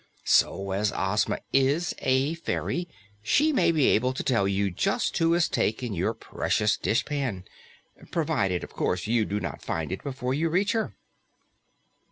So, as Ozma is a fairy, she may be able to tell you just who has taken your precious dishpan. Provided, of course, you do not find it before you reach her."